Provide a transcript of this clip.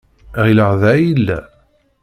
Ɣileɣ da ay yella.